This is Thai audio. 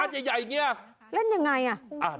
น้องเล่นอย่างไรน่ะน้องน้องน้องน้องน้องน้องน้อง